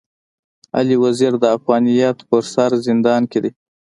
علي وزير د افغانيت پر سر زندان کي دی.